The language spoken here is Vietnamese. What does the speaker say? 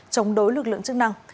chống đối lực lượng chức năng